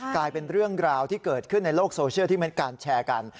กลายเป็นเรื่องราวที่เกิดขึ้นในโลกโซเชียลที่มีการแชร์กัน